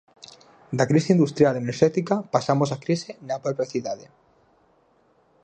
Da crise industrial enerxética pasamos á crise na propia cidade.